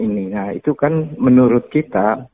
nah itu kan menurut kita